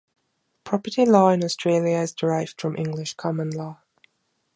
Property law in Australia is derived from English common law.